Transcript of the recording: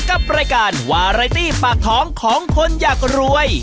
กับรายการวาไรตี้ปากท้องของคนอยากรวย